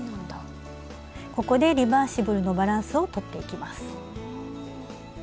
ここでリバーシブルのバランスをとっていきます。